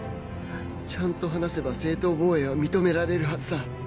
ちゃんと話せば正当防衛は認められるはずだ